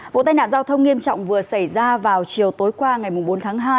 vụ tai nạn giao thông nghiêm trọng vừa xảy ra vào chiều tối qua ngày bốn tháng hai